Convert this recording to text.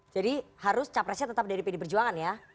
jadi harus capresnya tetap dari pd perjuangan ya